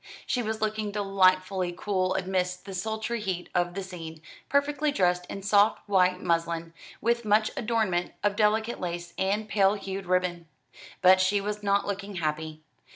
She was looking delightfully cool amidst the sultry heat of the scene, perfectly dressed in soft white muslin, with much adornment of delicate lace and pale hued ribbon: but she was not looking happy.